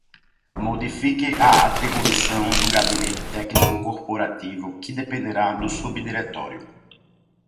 Modifique a atribuição do Gabinete Técnico Corporativo, que dependerá do Subdiretório.